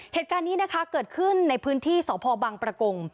เหตุการณ์นี้นะคะเกิดขึ้นในพื้นที่สพบังประกง